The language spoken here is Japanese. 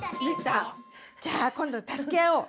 じゃあ今度助け合おう！